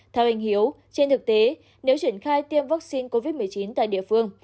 theo anh hiếu trên thực tế nếu triển khai tiêm vắc xin covid một mươi chín tại địa phương